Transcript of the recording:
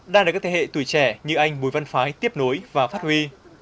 đang là các thế hệ tuổi trẻ như anh mùi văn phái tiếp nối và phát huy